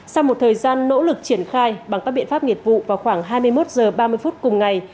sau một thời gian nỗ lực triển khai bằng các biện pháp nghiệp vụ vào khoảng hai mươi một h ba mươi phút cùng ngày